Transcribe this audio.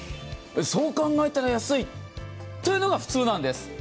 そう考えたら安いというのが普通なんです。